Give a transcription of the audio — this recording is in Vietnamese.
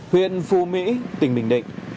huyền phu mỹ tỉnh bình định